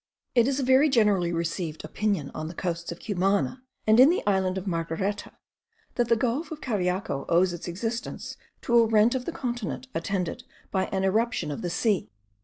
It is a very generally received opinion on the coasts of Cumana, and in the island of Margareta, that the gulf of Cariaco owes its existence to a rent of the continent attended by an irruption of the sea.